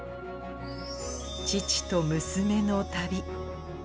父と娘の旅。